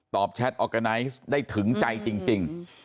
ตอบแชทออกาไนซ์ได้ถึงใจจริงจริง